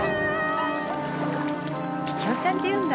桔梗ちゃんっていうんだ。